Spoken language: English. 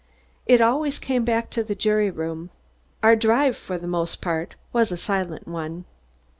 It always came back to the jury room. Our drive, for the most part, was a silent one.